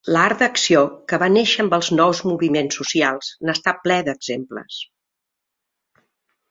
L'art d'acció, que va néixer amb els nous moviments socials, n'està ple d'exemples.